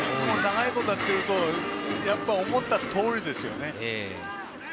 長いことやっていると思ったとおりですよね。